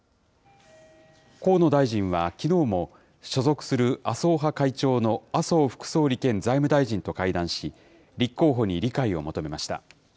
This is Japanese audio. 河野大臣はきのうも、所属する麻生派会長の麻生副総理兼財務大臣と会談し、立候補に理解を求めました。